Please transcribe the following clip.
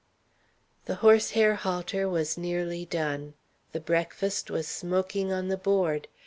The horse hair halter was nearly done. The breakfast was smoking on the board.